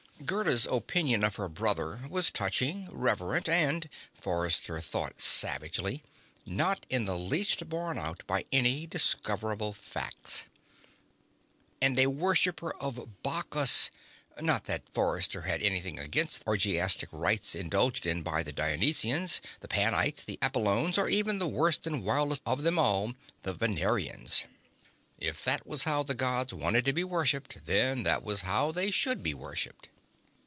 Gerda's opinion of her brother was touching, reverent, and Forrester thought savagely not in the least borne out by any discoverable facts. And a worshipper of Bacchus! Not that Forrester had anything against the orgiastic rites indulged in by the Dionysians, the Panites, the Apollones or even the worst and wildest of them all, the Venerans. If that was how the Gods wanted to be worshipped, then that was how they should be worshipped.